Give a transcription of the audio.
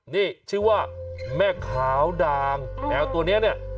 นี่ชื่อว่าแม่ขาวดางแมวตัวนี้เนี่ย